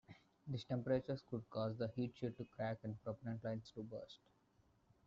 These temperatures could cause the heat shield to crack and propellant lines to burst.